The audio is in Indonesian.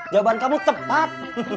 jawaban kamu tepat